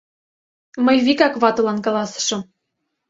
Мый вигак ватылан каласышым: